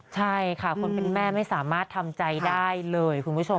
ใช่ค่ะคนเป็นแม่ไม่สามารถทำใจได้เลยคุณผู้ชม